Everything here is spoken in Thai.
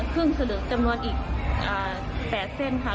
ครึ่งสะลึงจำนวนอีกอ่าแปดเส้นค่ะ